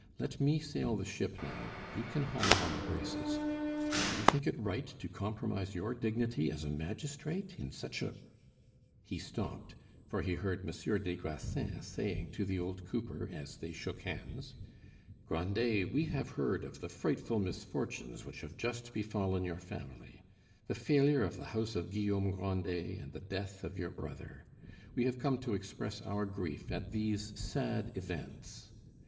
Let me sail the ship now; you can haul on the braces. Do you think it right to compromise your dignity as a magistrate in such a " He stopped, for he heard Monsieur des Grassins saying to the old cooper as they shook hands, "Grandet, we have heard of the frightful misfortunes which have just befallen your family, the failure of the house of Guillaume Grandet and the death of your brother. We have come to express our grief at these sad events."